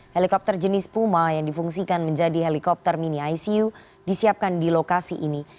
helikopter jenis puma yang difungsikan menjadi helikopter mini icu disiapkan di lokasi ini